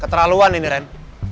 keterlaluan nih ini ren